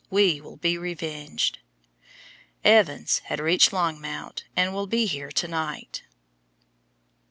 We will be revenged." Evans had reached Longmount, and will be here tonight.